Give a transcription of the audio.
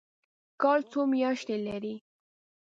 کال څو میاشتې لري؟